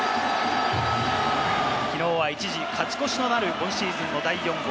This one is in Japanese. きのうは一時、勝ち越しとなる、今シーズンの第４号。